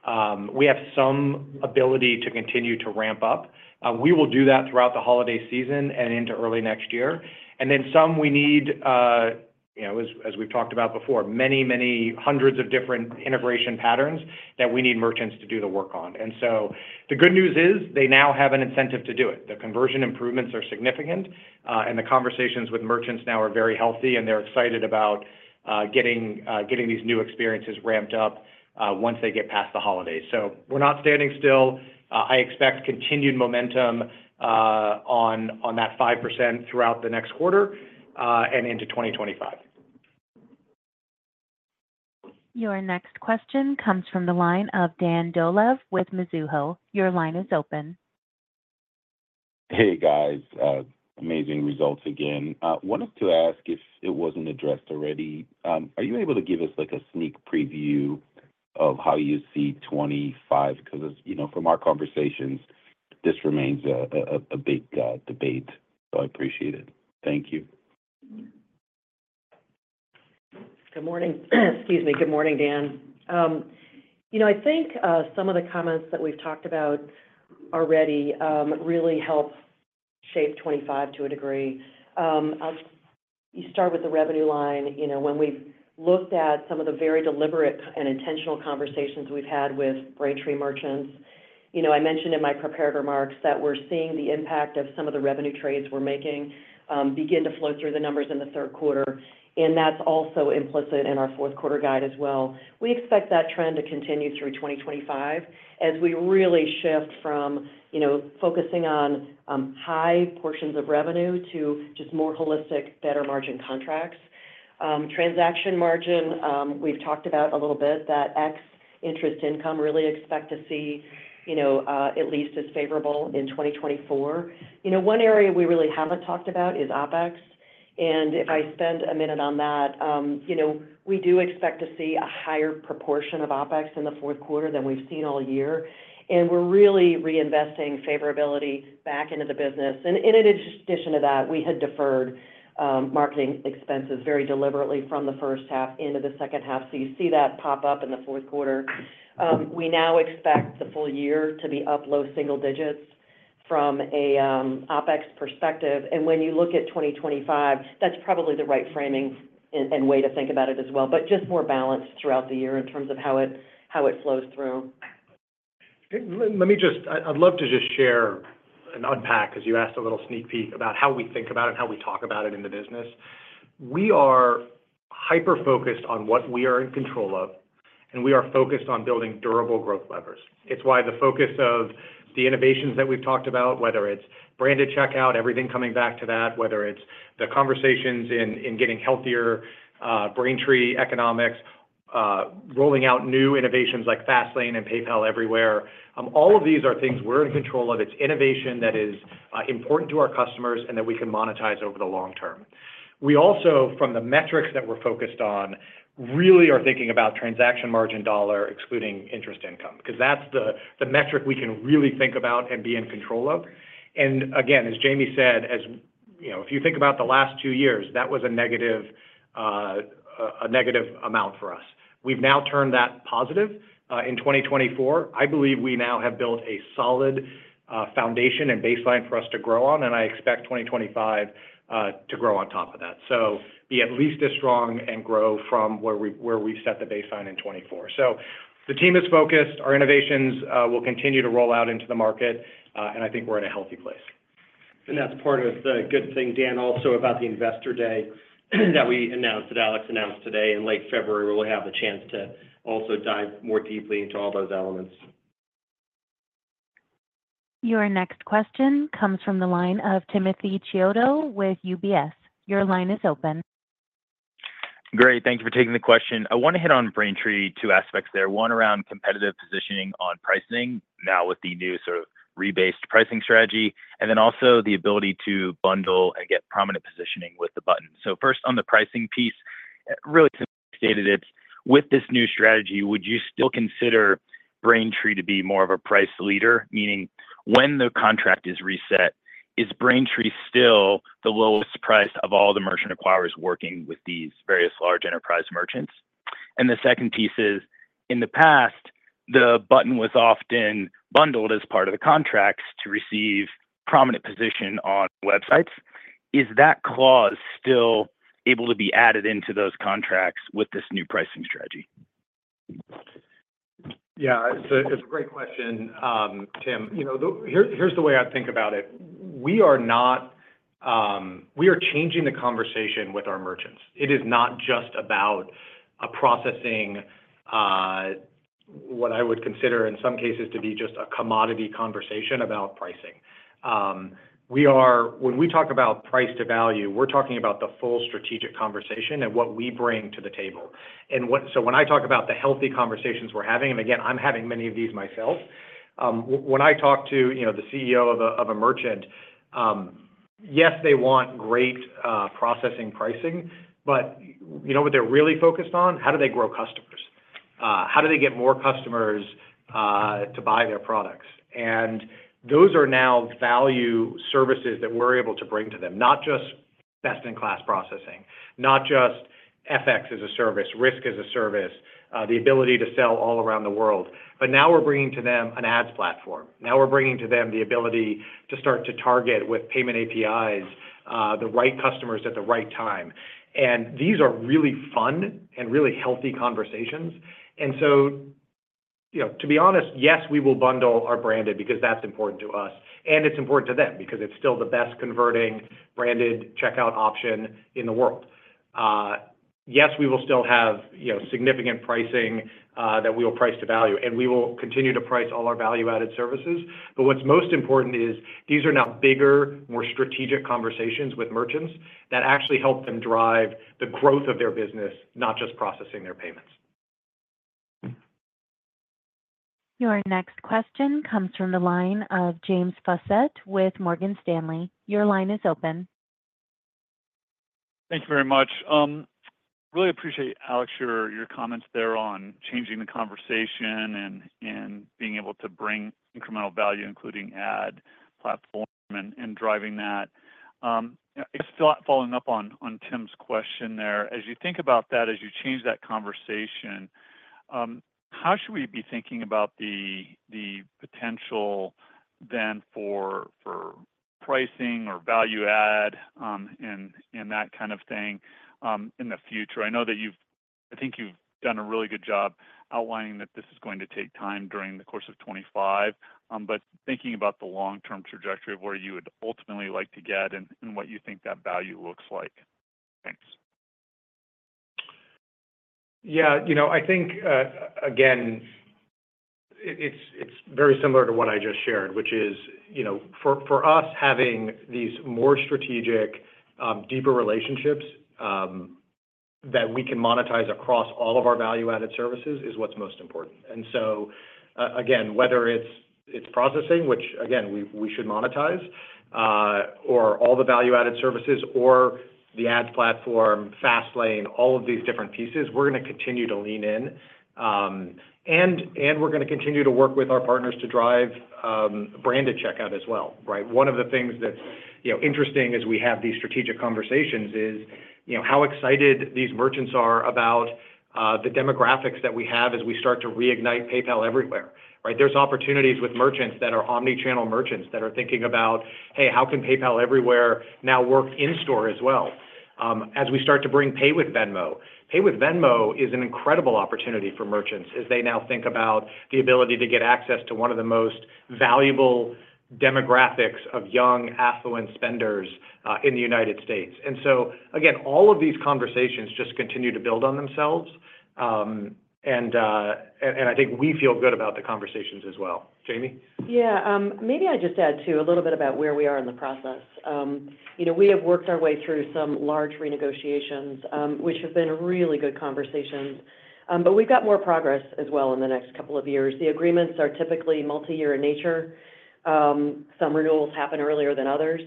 Speaker 3: have some ability to continue to ramp up. We will do that throughout the holiday season and into early next year, and then some we need, as we've talked about before, many, many hundreds of different integration patterns that we need merchants to do the work on. And so the good news is they now have an incentive to do it. The conversion improvements are significant, and the conversations with merchants now are very healthy, and they're excited about getting these new experiences ramped up once they get past the holidays. So we're not standing still. I expect continued momentum on that 5% throughout the next quarter and into 2025.
Speaker 1: Your next question comes from the line of Dan Dolev with Mizuho. Your line is open.
Speaker 8: Hey, guys. Amazing results again. Wanted to ask if it wasn't addressed already. Are you able to give us a sneak preview of how you see 2025? Because from our conversations, this remains a big debate, so I appreciate it. Thank you.
Speaker 4: Good morning. Excuse me. Good morning, Dan. I think some of the comments that we've talked about already really help shape 2025 to a degree. You start with the revenue line. When we've looked at some of the very deliberate and intentional conversations we've had with Braintree merchants, I mentioned in my prepared remarks that we're seeing the impact of some of the revenue trades we're making begin to flow through the numbers in the third quarter, and that's also implicit in our fourth quarter guide as well. We expect that trend to continue through 2025 as we really shift from focusing on high portions of revenue to just more holistic, better margin contracts. Transaction margin we've talked about a little bit, that ex interest income, we really expect to see at least as favorable in 2024. One area we really haven't talked about is OpEx, and if I spend a minute on that, we do expect to see a higher proportion of OpEx in the fourth quarter than we've seen all year, and we're really reinvesting favorability back into the business. In addition to that, we had deferred marketing expenses very deliberately from the first half into the second half. So you see that pop up in the fourth quarter. We now expect the full year to be up low single digits from an OpEx perspective. When you look at 2025, that's probably the right framing and way to think about it as well, but just more balance throughout the year in terms of how it flows through.
Speaker 3: Let me just, I'd love to just share and unpack because you asked a little sneak peek about how we think about it and how we talk about it in the business. We are hyper-focused on what we are in control of, and we are focused on building durable growth levers. It's why the focus of the innovations that we've talked about, whether it's branded checkout, everything coming back to that, whether it's the conversations in getting healthier Braintree economics, rolling out new innovations like Fastlane and PayPal Everywhere, all of these are things we're in control of. It's innovation that is important to our customers and that we can monetize over the long term. We also, from the metrics that we're focused on, really are thinking about transaction margin dollar, excluding interest income, because that's the metric we can really think about and be in control of. And again, as Jamie said, if you think about the last two years, that was a negative amount for us. We've now turned that positive. In 2024, I believe we now have built a solid foundation and baseline for us to grow on, and I expect 2025 to grow on top of that, so be at least as strong and grow from where we set the baseline in 2024. So the team is focused. Our innovations will continue to roll out into the market, and I think we're in a healthy place.
Speaker 2: And that's part of the good thing, Dan, also about the investor day that we announced, that Alex announced today in late February, where we'll have a chance to also dive more deeply into all those elements.
Speaker 1: Your next question comes from the line of Timothy Chiodo with UBS. Your line is open.
Speaker 9: Great. Thank you for taking the question. I want to hit on Braintree two aspects there, one around competitive positioning on pricing now with the new sort of rebased pricing strategy, and then also the ability to bundle and get prominent positioning with the button. So first, on the pricing piece, really simply stated, it's with this new strategy, would you still consider Braintree to be more of a price leader, meaning when the contract is reset, is Braintree still the lowest price of all the merchant acquirers working with these various large enterprise merchants? And the second piece is, in the past, the button was often bundled as part of the contracts to receive prominent position on websites. Is that clause still able to be added into those contracts with this new pricing strategy?
Speaker 3: Yeah. It's a great question, Tim. Here's the way I think about it. We are changing the conversation with our merchants. It is not just about processing what I would consider in some cases to be just a commodity conversation about pricing. When we talk about price to value, we're talking about the full strategic conversation and what we bring to the table. And so when I talk about the healthy conversations we're having, and again, I'm having many of these myself, when I talk to the CEO of a merchant, yes, they want great processing pricing, but you know what they're really focused on? How do they grow customers? How do they get more customers to buy their products? And those are now value services that we're able to bring to them, not just best-in-class processing, not just FX as a service, risk as a service, the ability to sell all around the world. But now we're bringing to them an ads platform. Now we're bringing to them the ability to start to target with payment APIs the right customers at the right time. And these are really fun and really healthy conversations. And so to be honest, yes, we will bundle our branded because that's important to us, and it's important to them because it's still the best converting branded checkout option in the world. Yes, we will still have significant pricing that we will price to value, and we will continue to price all our value-added services. But what's most important is these are now bigger, more strategic conversations with merchants that actually help them drive the growth of their business, not just processing their payments.
Speaker 1: Your next question comes from the line of James Faucette with Morgan Stanley. Your line is open.
Speaker 10: Thank you very much really appreciate, Alex, your comments there on changing the conversation and being able to bring incremental value, including ad platform and driving that. Just following up on Tim's question there, as you think about that, as you change that conversation, how should we be thinking about the potential then for pricing or value-add and that kind of thing in the future? I know that you've—I think you've done a really good job outlining that this is going to take time during the course of 2025, but thinking about the long-term trajectory of where you would ultimately like to get and what you think that value looks like. Thanks.
Speaker 3: Yeah. I think, again, it's very similar to what I just shared, which is for us, having these more strategic, deeper relationships that we can monetize across all of our value-added services is what's most important. And so again, whether it's processing, which again, we should monetize, or all the value-added services, or the ads platform, Fastlane, all of these different pieces, we're going to continue to lean in. And we're going to continue to work with our partners to drive branded checkout as well, right? One of the things that's interesting as we have these strategic conversations is how excited these merchants are about the demographics that we have as we start to reignite PayPal Everywhere, right? There's opportunities with merchants that are omnichannel merchants that are thinking about, "Hey, how can PayPal Everywhere now work in-store as well?" As we start to bring Pay with Venmo, Pay with Venmo is an incredible opportunity for merchants as they now think about the ability to get access to one of the most valuable demographics of young affluent spenders in the United States. And so again, all of these conversations just continue to build on themselves. And I think we feel good about the conversations as well. Jamie?
Speaker 4: Yeah. Maybe I just add to a little bit about where we are in the process. We have worked our way through some large renegotiations, which have been really good conversations. But we've got more progress as well in the next couple of years. The agreements are typically multi-year in nature. Some renewals happen earlier than others.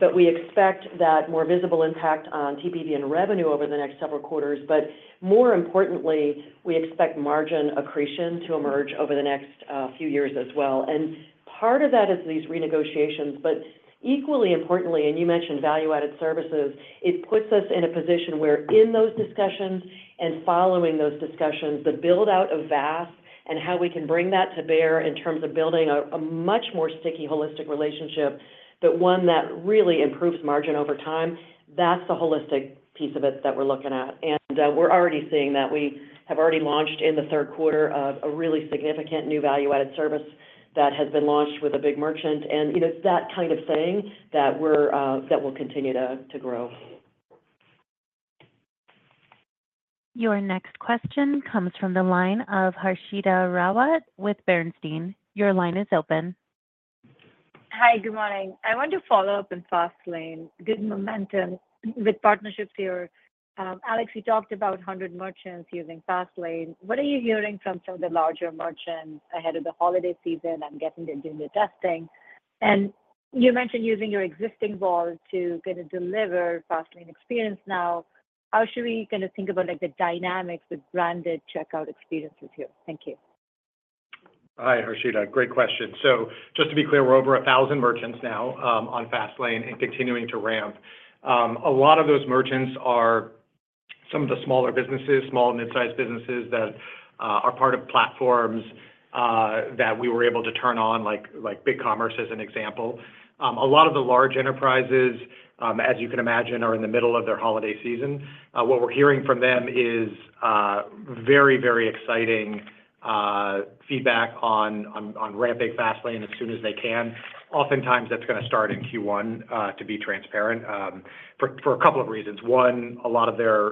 Speaker 4: But we expect that more visible impact on TPV and revenue over the next several quarters. But more importantly, we expect margin accretion to emerge over the next few years as well. And part of that is these renegotiations. But equally importantly, and you mentioned value-added services, it puts us in a position where in those discussions and following those discussions, the build-out of VAS and how we can bring that to bear in terms of building a much more sticky, holistic relationship, but one that really improves margin over time, that's the holistic piece of it that we're looking at. And we're already seeing that. We have already launched in the third quarter a really significant new value-added service that has been launched with a big merchant. And it's that kind of thing that will continue to grow.
Speaker 1: Your next question comes from the line of Harshita Rawat with Bernstein. Your line is open.
Speaker 11: Hi. Good morning. I want to follow up on Fastlane. Good momentum with partnerships here. Alex, you talked about 100 merchants using Fastlane. What are you hearing from some of the larger merchants ahead of the holiday season and getting them doing the testing? And you mentioned using your existing vault to kind of deliver Fastlane experience now. How should we kind of think about the dynamics with branded checkout experiences here? Thank you.
Speaker 3: Hi, Harshita. Great question. So just to be clear, we're over 1,000 merchants now on Fastlane and continuing to ramp. A lot of those merchants are some of the smaller businesses, small and mid-sized businesses that are part of platforms that we were able to turn on, like BigCommerce as an example. A lot of the large enterprises, as you can imagine, are in the middle of their holiday season. What we're hearing from them is very, very exciting feedback on ramping Fastlane as soon as they can. Oftentimes, that's going to start in Q1, to be transparent, for a couple of reasons. One, a lot of their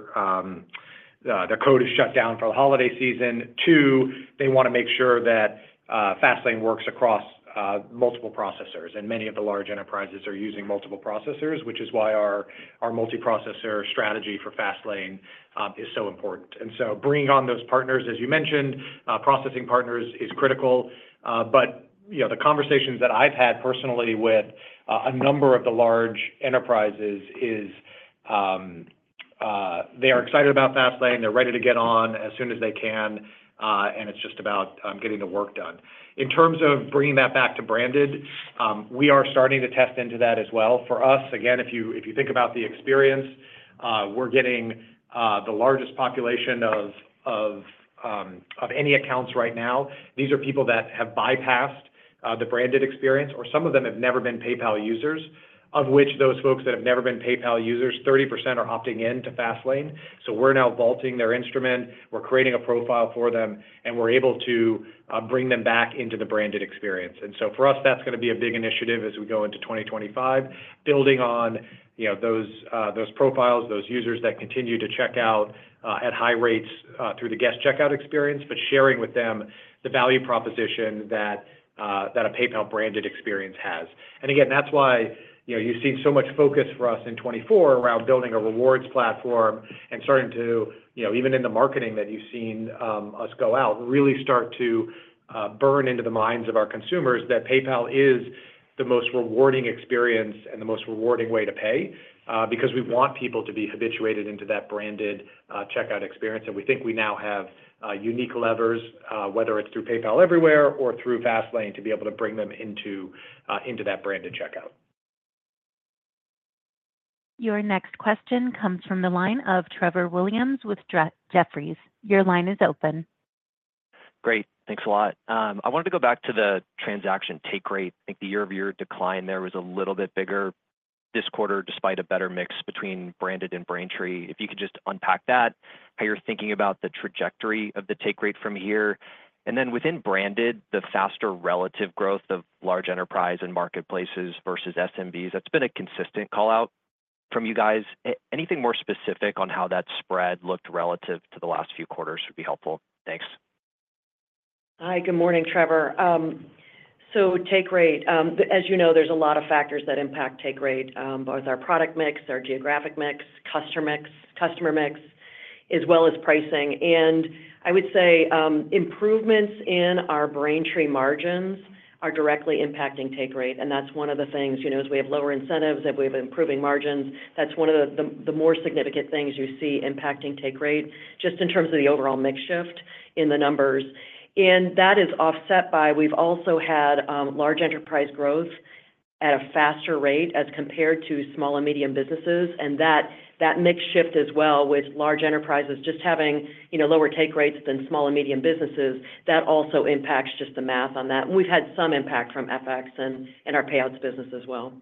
Speaker 3: code is shut down for the holiday season. Two, they want to make sure that Fastlane works across multiple processors. And many of the large enterprises are using multiple processors, which is why our multi-processor strategy for Fastlane is so important. And so bringing on those partners, as you mentioned, processing partners is critical. But the conversations that I've had personally with a number of the large enterprises is they are excited about Fastlane. They're ready to get on as soon as they can. And it's just about getting the work done. In terms of bringing that back to branded, we are starting to test into that as well. For us, again, if you think about the experience, we're getting the largest population of any accounts right now. These are people that have bypassed the branded experience, or some of them have never been PayPal users, of which those folks that have never been PayPal users, 30% are opting in to Fastlane. So we're now vaulting their instrument. We're creating a profile for them, and we're able to bring them back into the branded experience. And so for us, that's going to be a big initiative as we go into 2025, building on those profiles, those users that continue to check out at high rates through the guest checkout experience, but sharing with them the value proposition that a PayPal branded experience has. Again, that's why you've seen so much focus for us in 2024 around building a rewards platform and starting to, even in the marketing that you've seen us go out, really start to burn into the minds of our consumers that PayPal is the most rewarding experience and the most rewarding way to pay because we want people to be habituated into that branded checkout experience. We think we now have unique levers, whether it's through PayPal Everywhere or through Fastlane, to be able to bring them into that branded checkout.
Speaker 1: Your next question comes from the line of Trevor Williams with Jefferies. Your line is open.
Speaker 12: Great. Thanks a lot. I wanted to go back to the transaction take rate. I think the year-over-year decline there was a little bit bigger this quarter despite a better mix between branded and Braintree. If you could just unpack that, how you're thinking about the trajectory of the take rate from here? And then within branded, the faster relative growth of large enterprise and marketplaces versus SMBs, that's been a consistent callout from you guys. Anything more specific on how that spread looked relative to the last few quarters would be helpful. Thanks.
Speaker 4: Hi. Good morning, Trevor. So take rate. As you know, there's a lot of factors that impact take rate, both our product mix, our geographic mix, customer mix, as well as pricing. And I would say improvements in our Braintree margins are directly impacting take rate. And that's one of the things. As we have lower incentives, as we have improving margins, that's one of the more significant things you see impacting take rate just in terms of the overall mix shift in the numbers. And that is offset by we've also had large enterprise growth at a faster rate as compared to small and medium businesses. And that mix shift as well with large enterprises just having lower take rates than small and medium businesses, that also impacts just the math on that. And we've had some impact from FX and our payouts business as well.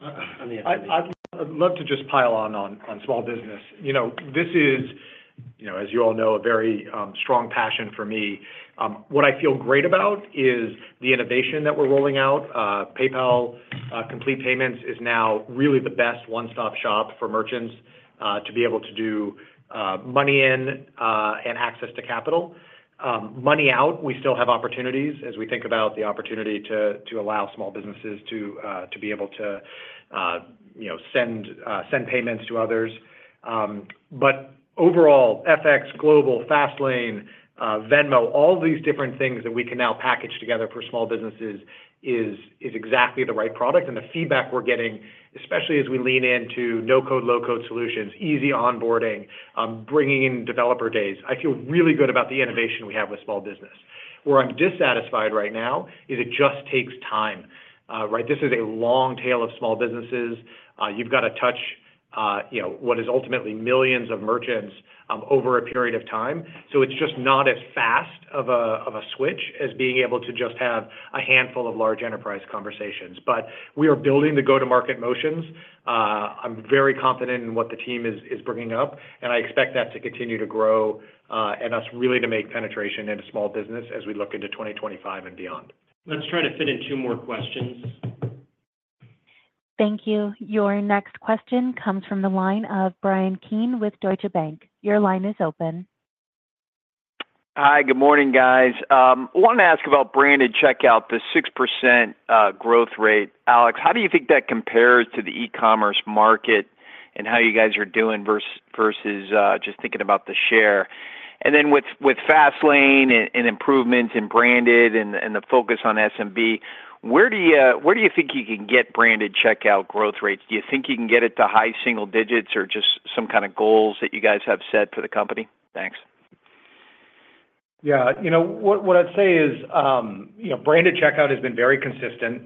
Speaker 3: I'd love to just pile on on small business. This is, as you all know, a very strong passion for me. What I feel great about is the innovation that we're rolling out. PayPal Complete Payments is now really the best one-stop shop for merchants to be able to do money in and access to capital. Money out, we still have opportunities as we think about the opportunity to allow small businesses to be able to send payments to others. But overall, FX, Global, Fastlane, Venmo, all these different things that we can now package together for small businesses is exactly the right product. And the feedback we're getting, especially as we lean into no-code, low-code solutions, easy onboarding, bringing in developer days, I feel really good about the innovation we have with small business. Where I'm dissatisfied right now is it just takes time, right? This is a long tail of small businesses. You've got to touch what is ultimately millions of merchants over a period of time. So it's just not as fast of a switch as being able to just have a handful of large enterprise conversations. But we are building the go-to-market motions. I'm very confident in what the team is bringing up. I expect that to continue to grow and us really to make penetration into small business as we look into 2025 and beyond.
Speaker 2: Let's try to fit in two more questions.
Speaker 1: Thank you. Your next question comes from the line of Bryan Keane with Deutsche Bank. Your line is open.
Speaker 13: Hi. Good morning, guys. I wanted to ask about branded checkout, the 6% growth rate. Alex, how do you think that compares to the e-commerce market and how you guys are doing versus just thinking about the share? And then with Fastlane and improvements in branded and the focus on SMB, where do you think you can get branded checkout growth rates? Do you think you can get it to high single digits or just some kind of goals that you guys have set for the company? Thanks.
Speaker 3: Yeah. What I'd say is branded checkout has been very consistent.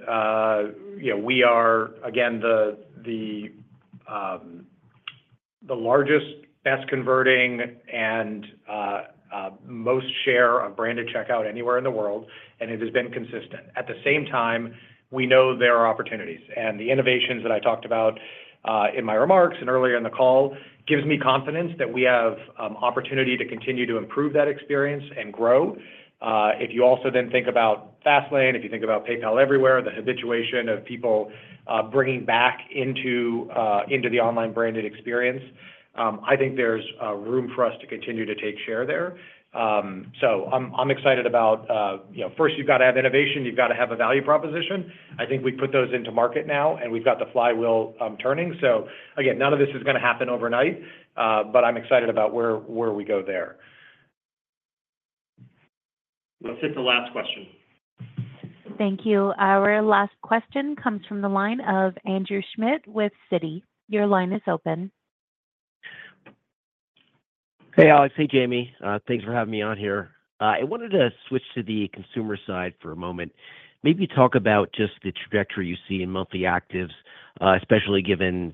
Speaker 3: We are, again, the largest, best converting, and most share of branded checkout anywhere in the world, and it has been consistent. At the same time, we know there are opportunities, and the innovations that I talked about in my remarks and earlier in the call gives me confidence that we have opportunity to continue to improve that experience and grow. If you also then think about Fastlane, if you think about PayPal Everywhere, the habituation of people bringing back into the online branded experience, I think there's room for us to continue to take share there, so I'm excited about first, you've got to have innovation. You've got to have a value proposition. I think we put those into market now, and we've got the flywheel turning, so again, none of this is going to happen overnight, but I'm excited about where we go there.
Speaker 2: Let's hit the last question.
Speaker 1: Thank you. Our last question comes from the line of Andrew Schmidt with Citi. Your line is open.
Speaker 14: Hey, Alex. Hey, Jamie. Thanks for having me on here. I wanted to switch to the consumer side for a moment. Maybe talk about just the trajectory you see in monthly actives, especially given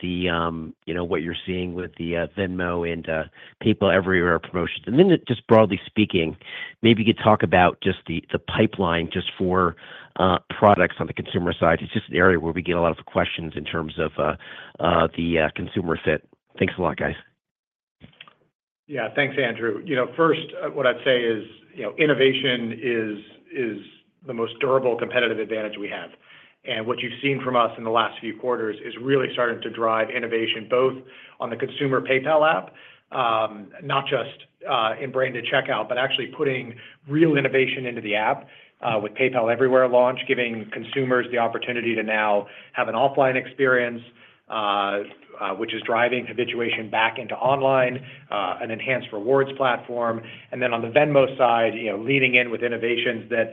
Speaker 14: what you're seeing with the Venmo and PayPal Everywhere promotions. And then just broadly speaking, maybe you could talk about just the pipeline just for products on the consumer side. It's just an area where we get a lot of questions in terms of the consumer fit. Thanks a lot, guys.
Speaker 3: Yeah. Thanks, Andrew. First, what I'd say is innovation is the most durable competitive advantage we have. And what you've seen from us in the last few quarters is really starting to drive innovation both on the consumer PayPal app, not just in branded checkout, but actually putting real innovation into the app with PayPal Everywhere launch, giving consumers the opportunity to now have an offline experience, which is driving habituation back into online, an enhanced rewards platform. And then on the Venmo side, leading in with innovations that,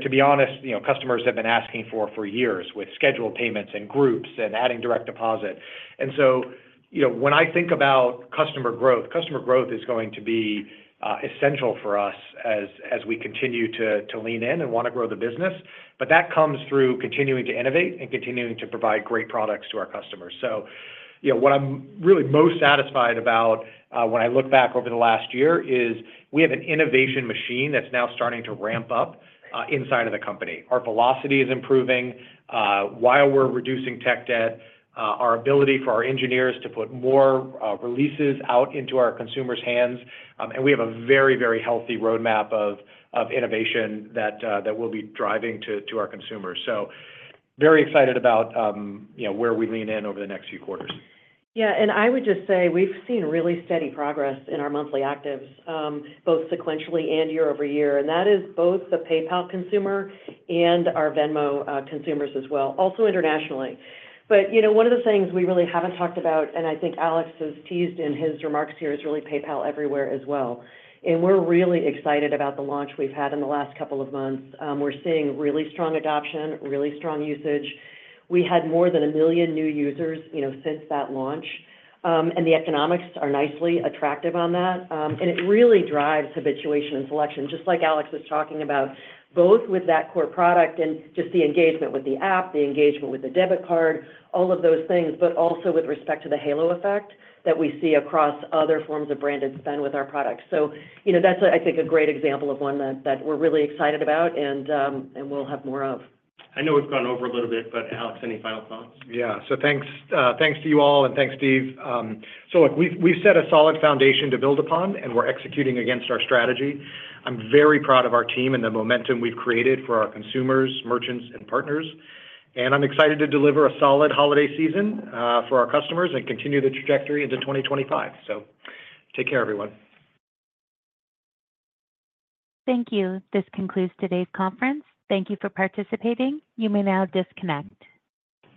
Speaker 3: to be honest, customers have been asking for years with scheduled payments and Groups and adding direct deposit. And so when I think about customer growth, customer growth is going to be essential for us as we continue to lean in and want to grow the business. But that comes through continuing to innovate and continuing to provide great products to our customers. So what I'm really most satisfied about when I look back over the last year is we have an innovation machine that's now starting to ramp up inside of the company. Our velocity is improving while we're reducing tech debt, our ability for our engineers to put more releases out into our consumers' hands. And we have a very, very healthy roadmap of innovation that we'll be driving to our consumers. So very excited about where we lean in over the next few quarters.
Speaker 4: Yeah. And I would just say we've seen really steady progress in our monthly actives, both sequentially and year-over-year. And that is both the PayPal consumer and our Venmo consumers as well, also internationally. But one of the things we really haven't talked about, and I think Alex has teased in his remarks here, is really PayPal Everywhere as well. We're really excited about the launch we've had in the last couple of months. We're seeing really strong adoption, really strong usage. We had more than a million new users since that launch. The economics are nicely attractive on that. It really drives habituation and selection, just like Alex was talking about, both with that core product and just the engagement with the app, the engagement with the debit card, all of those things, but also with respect to the halo effect that we see across other forms of branded spend with our products. That's, I think, a great example of one that we're really excited about and we'll have more of.
Speaker 2: I know we've gone over a little bit, but Alex, any final thoughts?
Speaker 3: Yeah. Thanks to you all, and thanks, Steve. So look, we've set a solid foundation to build upon, and we're executing against our strategy. I'm very proud of our team and the momentum we've created for our consumers, merchants, and partners. And I'm excited to deliver a solid holiday season for our customers and continue the trajectory into 2025. So take care, everyone.
Speaker 1: Thank you. This concludes today's conference. Thank you for participating. You may now disconnect.